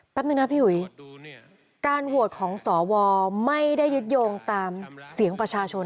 หนึ่งนะพี่หุยการโหวตของสวไม่ได้ยึดโยงตามเสียงประชาชน